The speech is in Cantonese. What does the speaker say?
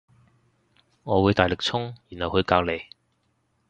我會大力衝然後去隔籬